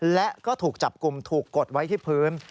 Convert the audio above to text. และก็ถูกจับกลุ่มถูกกดไว้ที่พื้น